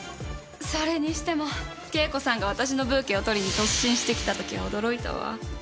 それにしても圭子さんが私のブーケを取りに突進してきた時は驚いたわ。